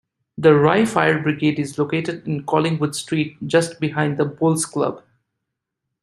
The Rye Fire Brigade is located in Collingwood Street, just behind the Bowls Club.